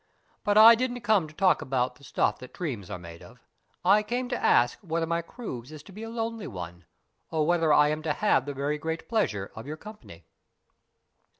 But I didn't come to talk about the stuff that dreams are made of. I came to ask whether my cruise is to be a lonely one, or whether I am to have the very great pleasure of your company."